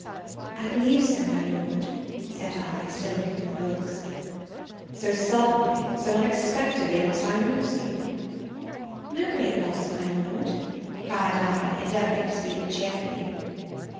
"I believe so, my Lord," said I, still looking for the books. "So suddenly, so unexpectedly must I lose you?" "No great loss, my Lord," cried I, endeavouring to speak cheerfully.